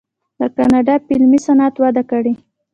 د کاناډا فلمي صنعت وده کړې.